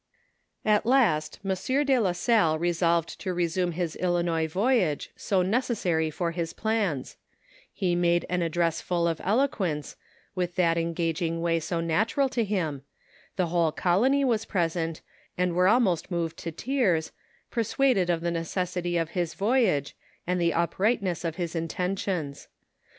At last Monsieur de la Salle resolved to resume his Binois voyage, so necessary for his plans ; he made an address full of eloquence, with that engaging way so natural to him ; the whole colony was present, and were almost moved to tears, persuaded of the necessity of his voyage, and the uprightness m SOS VABBATITB OF FATHBB DOUAT. of hlB intentions.